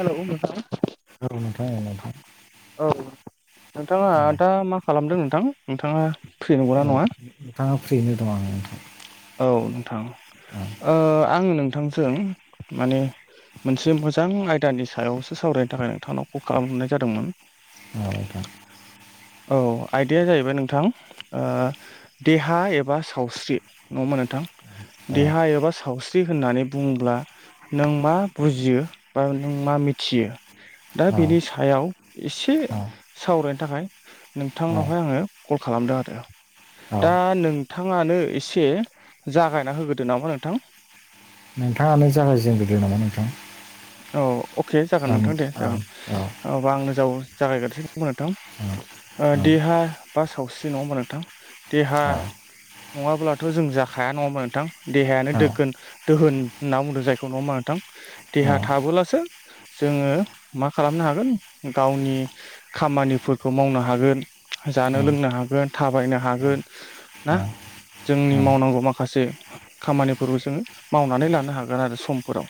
हेल' नोंथां। औ नोंथां अ नोंथां। औ नोंथाङा औ दा मा खालामदों नोंथां? नोंथाङा फ्रि नंगौना अ नङा नोंथाडा फ्रियैनो दं उम औ नोंथां, ओ आङो नोंथांजों माने मोनसे मोजां आयदानि सायावसो सावरायनो थाखाय नोंथांनाव कल खालामहरनाय जादोंमोन। औ। [unintelligible] औ आयदाया जाहैबाय नोंथां ओ देहा एबा सावस्रि। नङा होनबा नोंथां? देहा एबा सावस्रि होननानै बुङोब्ला नों मा बुजियो? बा नों मा मिथियो? दा औ बेनि सायाव एसे - सावरायनो थाखाय औ नोंथांनावहाय आङो कल खालामदों आरो। औ दा नोंथाङानो एसे जागायना होग्रोदो नामा नोंथां। नोंथाङानो जागायजेनग्रोदो नामा नोंथां। औ अके जागोन ओम नोंथां दे औ जागोन औ अबा आंनो जाव जागायगोरसै नङा होमबा नोंथां। ओ औ देहा बा सावस्रि नङा होमबा नोंथां देहा औ नङाब्लाथ' जों जाखाया नङा होनबा नोंथां देहायानो औ दोगोन दोहोन होनना बुंदों जायखौ नङा होमबा नोंथां? देहा थाबोलासो जोङो मा खालामनो हागोन गावनि खामानिफोरखौ मावनो हागोन, औ जानो औ लोंनो हागोन, थाबायनो हागोन ना औ। ओम जोंनि मावनांगौ माखासे खामानिफोरखौ जोङो मावनानै लानो हागोन आरो समफोराव।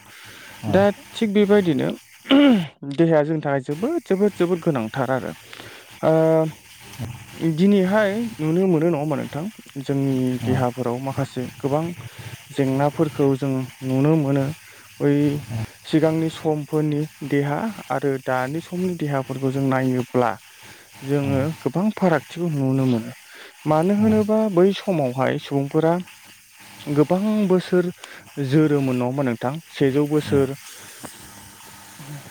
औ दा थिग बेबायदिनो उम देहाया जोंनि थाखाय जोबोद जोबोद जोबोद गोनांथार आरो। ओ दिनैहाय नुनो मोनो नङा होमबा नोंथां? जोंनि औ देहाफोराव माखासे गोबां जेंनाफोरखौ जों नुनो मोनो बै सिगांनि समफोरनि देहा आरो दानि समनि देहाफोरखौ जों नायोब्ला जोङो गोबां फारागथिखौ नुनो मोनो। मानो होनोबा बै समावहाय सुबुंफोरा गोबां बोसोर जोरोमोन नङोमा नोंथां सेजौ बोसो सोर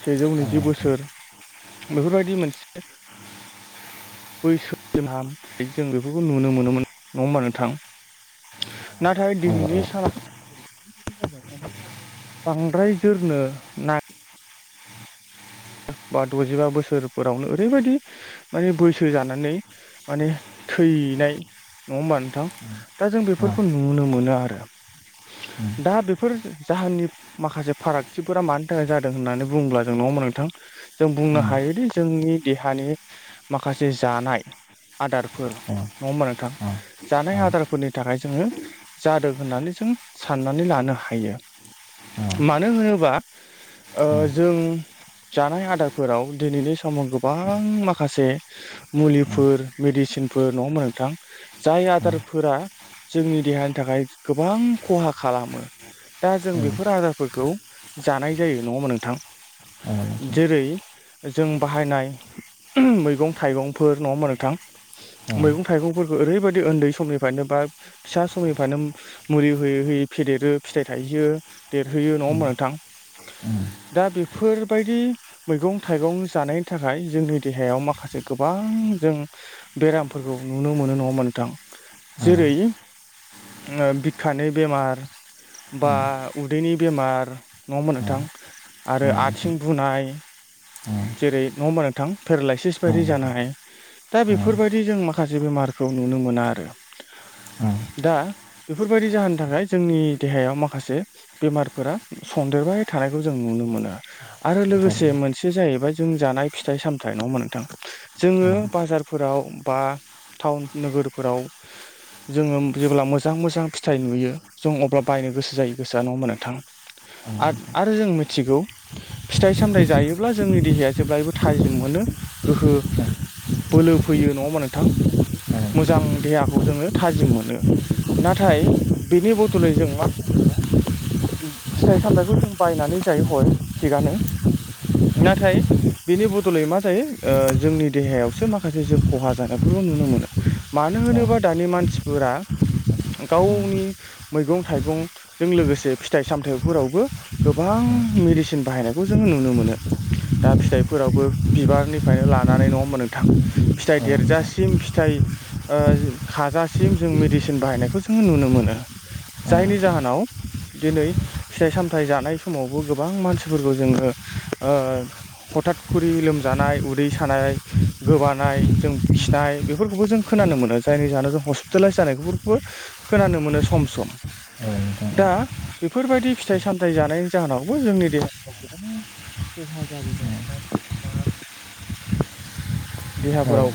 सेजौ नैजि बोसोर बेफोरबायदि मोनसे बैसो जोंहाम जों बेफोरखौ नुनो मोनोमोन नङा होमबा नोंथां। नाथाय औ दिनैनि सान [inaudible] बांद्राय जोरनो ना बा द'जिबा बोसोरफोरावनो ओरैबायदि माने बैसो जानानै माने थैनाय नङा होमबा नोंथां। दा जों औ बेफोरखौ नुनो मोनो आरो नोंथां औ दा बेफोर जाहोननि माखासे फारागथिफोरा मानि थाखाय जादों होननानै बुंब्ला जों नङमोन नोंथां। जों बुंनो ओम हायोदि जोंनि देहानि माखासे जानाय, आदारफोर नङा होमबा नोंथां जानाय आदारफोरनि थाखाय जोङो जादों होननानै जों साननानै लानो हायो। मानो होनोबा ओ जों जानाय आदारफोराव दिनैनि समाव गोबां माखासे ओम मुलिफोर मेडिसिनफोर नङा होमबा नोंथां? जाय आदारफोरा जोंनि देहानि थाखाय गोबां खहा खालामो। दा जों बेफोर आदारफोरखौ जानाय जायो नङा ओमा नोंथां? औ। जेरै जों बाहायनाय मैगं थाइगंफोर नङा मोनथां। मैगं थाइगंफोरखौ ओरैबादि ओन्दै समनिफायनो बा फिसा समनिफायनो मुलि होयै होयै फेदेरो फिथाइ थायहोयो देरहोयो नङा होमबा नोंथां। दा बेफोरबायदि मैगं थाइगं जानायनि थाखाय जोंनि देहायाव माखासे गोबां जों बेरामफोरखौ नुनो मोनो नङा होमबा नोंथां जेरै बिखानि बेमार बा औ ओम उदैनि बेमार नङा होमबा औ नोंथां आरो आथिं बुनाय जेरै नङा होमबा नोंथां पेरालायसिस बायदि जानाय दा बेफोरबायदि जों माखासे बेमारखौ नुनो मोना आरो। दा बेफोरबादि जाहोननि थाखाय जोंनि देहायाव माखासे बेमारफोरा सन्देरबाय थानायखौ जों नुनो मोनो आरो। आरो लोगोसे मोनसे जाहैबाय जों जानाय फिथाइ सामथाइ, नङा होनबा नोंथां? जोङो बाजारफोराव बा टाउन नोगोरफोराव जोङो जेब्ला मोजां मोजां फिथाइ नुयो जों अब्ला बायनो गोसो जायो गोसोआ, नङा होमबा नोंथां? आद आरो जों मिथिगौ फिथाइ सामथाय जायोब्ला जोंनि देहाया जेब्लायबो थाजिम मोनो। गोहो बोलो फैयो, नङा होमबा नोंथां? मोजां देहाखौ जोङो थाजिम मोनो। नाथाय बेनि बदलै जों मा फिथाइ सामथथायखौ जों बायनानै जायो हय थिगानो। नाथाय बेनि बदलै मा जायो जोंनि देहायावसो माखासे जों खहा जानायफोरबो नुनो मोनो। मानो होनोबा दानि मानसिफोरा गावनि मैगं थाइगंजों लोगोसे फिथाइ सामथाइ फोरावबो गोबां मेडिसिन बाहायनायखौ जों नुनो मोनो दा फिथाइफोरावबो बिबारनिफ्रायनो लानानै नङा होमबा नोंथां। फिथाइ देरजासिम फिथाइ ओ खाजासिम जों मेडिसिन बाहायनायखौ जोङो नुनो मोनो। जायनि जाहोनाव दिनै फिथाइ सामथाइ जानाय समावबो गोबां मानसिफोरखौ जोङो ओ हथाथ खुरि लोमजानाय, उदै सानाय गोबानाय जों खिनाय बेफोरखौबो जों खोनानो मोनो। जायनि जाहोनाव जों हस्पिटेलाइस जानायफोरखौबो खोनानो मोनो सम सम। दा बेफोरबायदि फिथाइ सामथाइ जानायनि जाहोनावबो जोंनि देहाया गोबां खहा जाबोबाय थानाय बा देहाफोराव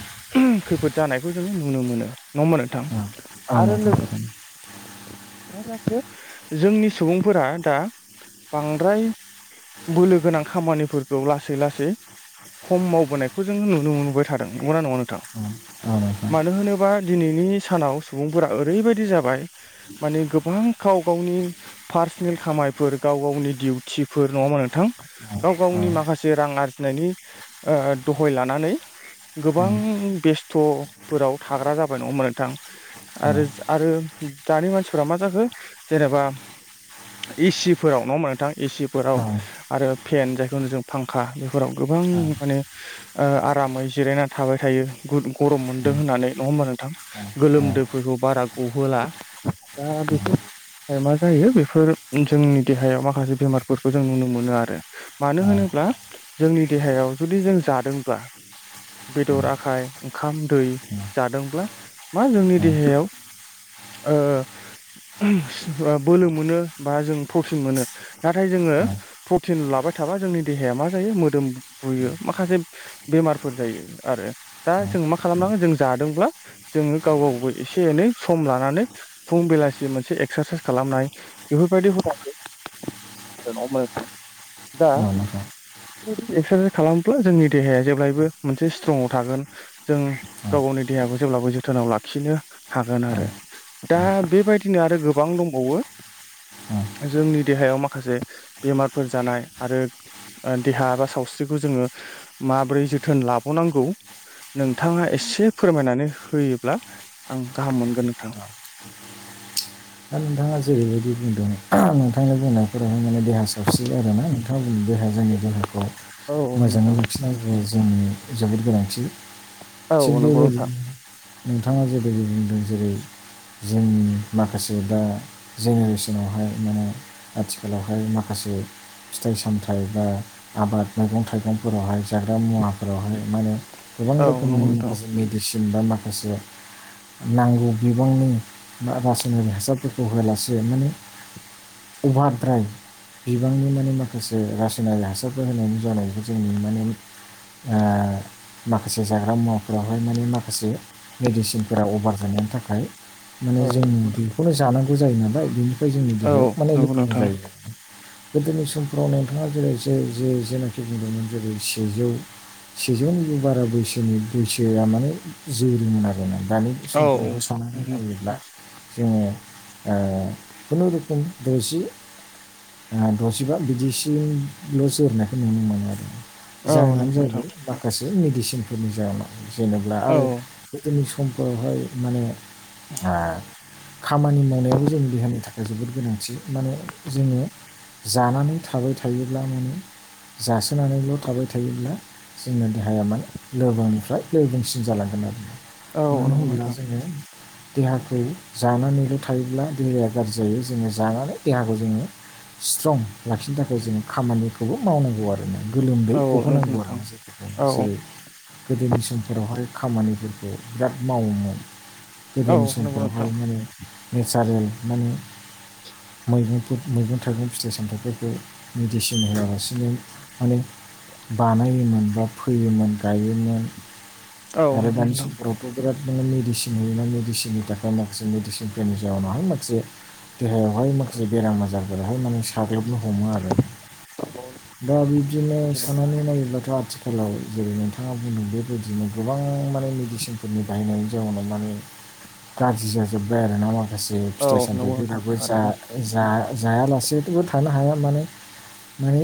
खैफोद जानायखौ जोङो नुनो मोनो। नङा होनबा नोंथां? आरो लो मा जाखो जोंनि सुबुंफोरा दा बांद्राय बोलो गोनां खामानिफोरखौ लासै लासै खम मावबोनायखौ जोंङो नुनो मोनबोबाय थादों। नंगौना नङा नोंथां? मानो होनोबा दिनैनि सानाव सुबुंफोरा ओरैबायदि जाबाय माने गोबां गाव गावनि पार्सनेल खामायफोर गाव गावनि दिउथि फोर नङा होनबा नोंथां? गाव गावनि माखासे रां आरजिनायनि ओ दहय लानानै गोबां बेस्थ'फोराव थाग्रा जाबाय। नङा होनबा नोंथां? आरोज आरो दानि मानसिफोरा मा जाखो जेनेबा इसिफोराव नङा होनबा नोंथां? एसि फोराव आरो पेन जायखौ होनो जों फांखा बेफोराव गोबां दा माने ओ आरामै जिरायनानै थाबाय थायो गु गरम मोनदों होननानै। नङा होनबा नोंथां? गोलोमदोफोरखौ बारा गहोला। दा बेखौ ओ मा जायो बेफोर जोंनि देहायाव माखासे बेमार फोरखौ जों नुनो मोनो आरो। मानो होनोब्ला जोंनि देहायाव जुदि जों जादोंब्ला बेदर आखाय ओंखाम दै जादोंब्ला मा जोंनि देहायाव ओ बोलो मोनो बा जों प्रटिन मोनो। नाथाय जोङो प्रटिन लाबाय थाबा जोंनि देहाया मा जायो मोदोम बु-बुयो। माखासे बेमारफोर जायो आरो। दा जों मा खालामनांगो जों जादोंब्ला जोङो गाव गावबो एसे एनै सम लानानै फुं बेलासि मोनसे एक्सारसाइस खालामनाय, बेफोरबायदि हुदाखो [unintelligible] दा बेफोरबादि एक्सारसाइस खालामोब्ला जोंनि देहाया जेब्लायबो मोनसे स्ट्रंआव थागोन। जों गाव गावनि देहाखौ जेब्लाबो जोथोनाव लाखिनो हागोन आरो। दा बेबायदिनो आरो गोबां दंबावो। जोंनि देहायाव माखा खासे बेमारफोर जानाय आरो ओ देहा बा सावस्रिखौ जोङो माबोरै जोथोन लाबावनांगौ नोंथाङा एसे फोरमायनानै होयोब्ला आं गाहाम मोनगोन नोंथां। दा नोंथाङा जेरैबायदि बुंदों नोंथांनि बुंनायफोरावहाय माने देहा सावस्रि आरोना नोंथाङा बुं देह जोंनि देहाखौ औ मोजाङै नोंथां। लाखिनाय ज जोंनि जोबोद गोनांथि औ थिग नंगौ नोंथां बेबायदिनो नोंथाङा जेबायदि बुंदों जेरै जोंनि माखासे माखासे दा जेनेरेसनावहाय माने आथिखालावहाय माखासे फिथाइ सामथाइ बा आबाद मैगं थाइगंफोरावहाय जाग्रा मुवाफोरावहाय माने गोबां औ रखोमनि नंगौ नोंथां। मेडिसिन बा माखासे नांगौ बिबांनि ना बा नि हासारफोरखौ होआलासे माने अभारद्राइ बिबांनि माने माखासे रासायनारि हासारफोर होनायनि जाउनावबो जों माने ओ माखासे जाग्रा मुवाफोरावहाय माने माखासे मेडिसिनफोरा अभार जानायनि थाखाय औ माने जों बिखौनो जानांगौ जायो नालाय बिनिफ्राय जोंनि औ देहायाव माने नंगौ लोरबां नोंथां जायो आरो। गोदोनि समफोराव नोंथाङा जेरै ज जे जेनाखि बुंदोंमोन जेरै सेजौ सेजौनिबो बारा बैसोनि बैसोआ माने जोरोमोन आर ना दानि बे औ समफोरफोरखौ सावनानै नायोब्ला जोङो खुनुरुखुम दजि दजिबा बिदिसल' जोरनायखौ नुनो मोनो आरो औ नंगौ जाहोनानो नोंथां जाहैबाय माखासे मेडिसिनफोरनि जाहोनाव जेनेब्ला औ आरो गोदोनि समफोरावहाय माने आ खामानि मावनायाबो जोंनि देहानि थाखाय जोबोद गोनांथि माने जोंङो जानानै थाबाय थायोब्ला माने जासोनानैल' थाबाय थायोब्ला जोंना देहाया माने लोरबांनिफ्राय लोरबांसिन जालांगोन आरो औ मानो नंगौ होनब्ला नोंथां जोंङो देहाखौ जानानैल' थायोब्ला देहाया गाज्रि जायो जोंङो जानानै देहाखौ जोंङो स्ट्रं लाखिनो थाखाय जोंङो खामानिखौ मावनांगौ आरो ना गोलोमदै औ नंगौ गहोनांगौ नोंथां आरो जायफोरखौ औ जेरै गोदोनि समफोरावहाय खामानिफोरखौ बिराद मावोमोन औ गोदोनि नंगौ समफोराव नोंथां माने नेचारेल माने मैगंफोर मैगं थाइगं फिथाइ सामथाइफोरखौ मेडिसिन होआलासिनो माने बानायोमोन बा फोयोमोन गायोमोन औ आरो नंगौ दानि नोंथां समफ्राव बिराद माने मेडिसिन होयोना मेदिसिननि [unintelligible] माखा मेडिसिन फोरनि जाउनाव हाय माखासे देहायावहाय माखासे बेराम आजारफोरा हाय माने साग्लोबनो हमो आरो दा बिदिब्ला सैथो बाथ्रा सुनानै नायोब्लाथ' आथि गोलाव जेरै नोंथांङा बुंदों बेबायदिनो गोबां माने मेडिसिनफोरनि बायनायनि जाउनाव माने गाज्रि जाजोब्बाय आरोना माखासे औ फिथाइ नंगौ नोंथां सामथायाइफोराबो जा थारैनो जा जायालासेथ थानो हाया माने माने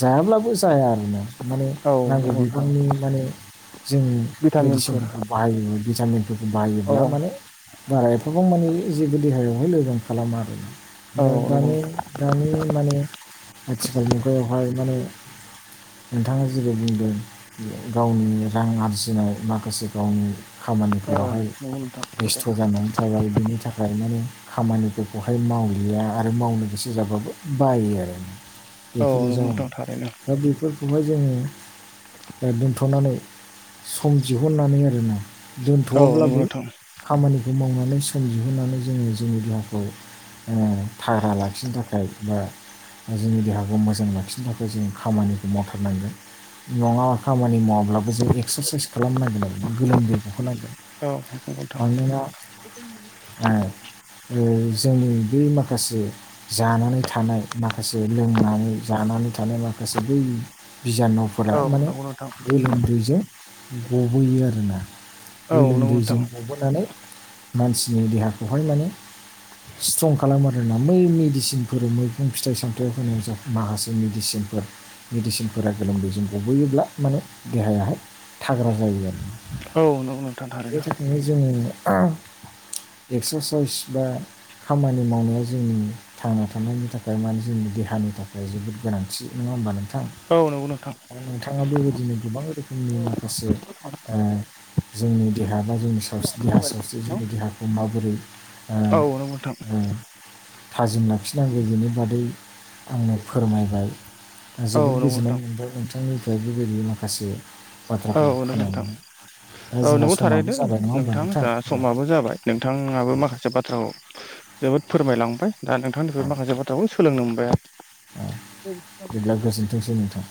जायाब्लाबो बो जाया आरोना माने औ नांगौ नंगौ बि नोंथां जों भिटामिनफोर मेडिसिनफोरखौ बाहायो भिटामिनफोरखौ औ बाहायोब्ला माने बारा एफाबां माने जेबो देहायावहाय लोरबां खालामा आरोना दा औ नंगौ दानि दानि माने आथिखाल मुगायावहाय माने नोंथांङा जेबो बुंदों गावनि रां आरजिनाय माखासे गावनि औ खामानिफोरावहाय नंगौ नोंथां बेस्थ' जानानै थाबाय बिनि थाखाय माने खामानिफोरखौहाय मावलिया आरो मावनो गोसो जाबाबो बायो आरो औ बेफोरनो नंगौ जाउन नोंथां थारैनो दा बेफोरखौहाय जोंङो दोनथ'नानै सम दिहुननानै आरोना औ नंगौ दोन्थ'वाब्लाबो नोंथां खामानिखौ मावनानै सम दिहुननानै जोंङो जोंनि देहाखौ अ थाग्रा लाखिनो थाखाय बा जोंनि देहाखौ मोजां लाखिनो थाखाय जों खामानिखौ मावथारनांगोन नंङा खामानि मावाब्लाबो जों एक्सारसाइस खालामनांगोन आरोना गोलोमदै गहोनांगोन। औ नंगौ नोंथां। मानोना [unintelligible] ओ जोंनि बै माखासे जानानै थानाय माखासे लोंनानै जानानै थानाय माखासे बै बिजानुफोरा औ माने [unintelligible] दैजों गबोयो आरोना औ नंगौ नोंथां गोलोमदैजों। सबोनानै मानसिनि देहाखौहाय माने स्ट्रं खालामो आरोना बै मेडिसिनफोर मैगं फिथाइ सामथायाइ होनायाव माखासे जों मेडिसिनफोर मेडिसिनफोरा गोलोमदै जों गबोयोब्ला माने देहायाहाय थाग्रा जायो आरो औ नंगौ नोंथां थारैनो जोंङो अ एक्सारसाइस बा खामानि मावनाया जोंनि थांना थानायनि थाखाय माने जोंनि देहानि थाखाय जोबोद गोनांथि नंङा होमबा नोंथां? औ नंगौ नोंथां। आरो नोंथांङा बेबायदिनो गोबां रोखोमनि माखासे ओ जोंनि देहा बा जोंनि सावस्रि देहा सावस्रि जोंनि देहाखौ माबोरै ओ औ नंगौ नोंथां ओ थाजिम लाखिनांगौ बेनि बादै आंनो फोरमायबाय। आं औ जोबोद नंगौ नोंथां गोजोननाय मोनबाय नोंथांनिफ्राय बेबायदि माखासे औ बाथ्राफोरखौ नंगौ नोंथां खोनानानै दा औ जोंहा नोंगौ समाबो थारैनो जाबाय नङा होमबा नोंथां जा समाबो जाबाय। नोंथाङाबो माखासे बाथ्राखौ जोबोद फोरमायलांबाय। दा नोंथांनिफ्राय माखासे बाथ्राखौ सोलोंनो मोनबाय। [unintelligible] बिदिब्ला गोजोनथोंसै नोंथां